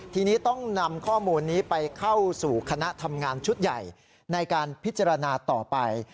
ทีนี้ต้องนำข้อมูลนี้ไปเข้าสู่คณะทำงานชุดใหญ่ในการพิจารณาต่อไป